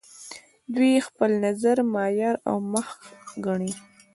دوی خپل نظر معیار او محک ګڼي.